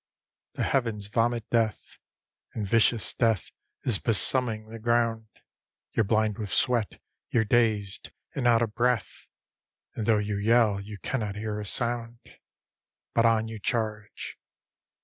_ The heavens vomit death; And vicious death is besoming the ground. You're blind with sweat; you're dazed, and out of breath, And though you yell, you cannot hear a sound. _BUT ON YOU CHARGE.